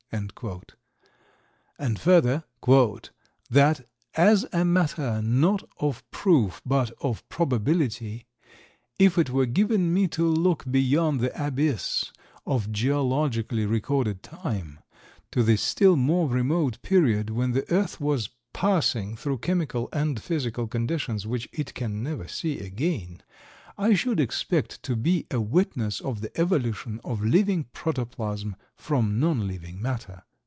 And further, "that as a matter not of proof but of probability, if it were given me to look beyond the abyss of geologically recorded time, to the still more remote period when the earth was passing through chemical and physical conditions which it can never see again, I should expect to be a witness of the evolution of living protoplasm from nonliving matter."